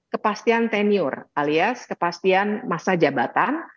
kepastian teniur alias kepastian masa jabatan